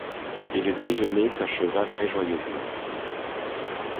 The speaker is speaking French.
Et le déjeuner s'acheva très joyeusement.